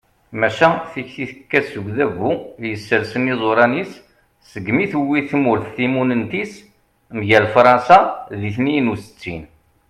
maca tikti tekka-d seg udabu yessersen iẓuṛan-is segmi tewwi tmurt timunent-is mgal fṛansa di tniyen u settin